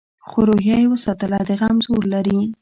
خو روحیه یې وساتله؛ د غم زور لري.